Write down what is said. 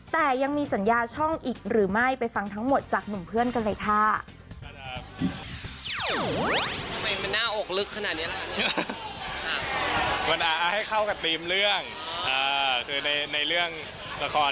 แต่ยังมีสัญญาช่องอีกหรือไม่ไปฟังทั้งหมดจากหนุ่มเพื่อนกันเลยค่ะ